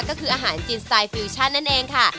ก็คืออาหารจีนสไตลฟิวชั่นนั่นเองค่ะ